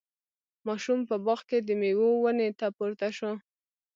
ماشوم په باغ کې د میوو ونې ته پورته شو.